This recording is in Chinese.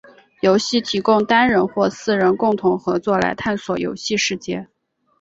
游戏提供单人或四人共同合作来探索游戏世界。